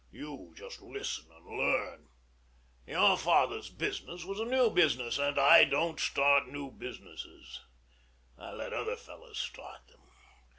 You just listen and learn. Your father's business was a new business; and I don't start new businesses: I let other fellows start them.